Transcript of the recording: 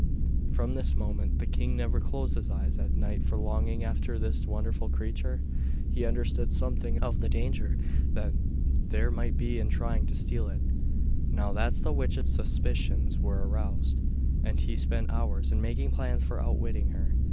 From this moment the king never closed his eyes at night for longing after this wonderful creature. He understood something of the danger that there might be in trying to steal it, now that the witch's suspicions were aroused, and he spent hours in making plans for outwitting her.